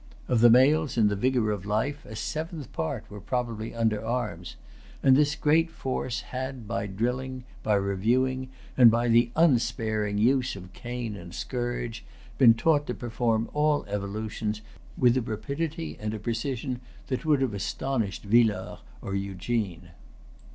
Of the males in the vigor of life, a seventh part were probably under arms; and this great force had, by drilling, by reviewing, and by the unsparing use of cane and scourge, been taught to perform all evolutions with a rapidity and a precision which would have astonished Villars or Eugene.